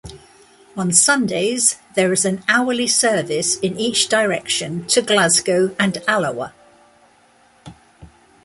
On Sundays, there is an hourly service in each direction to Glasgow and Alloa.